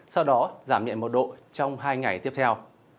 sau đó giảm nhẹ một độ trong hai ngày tiếp theo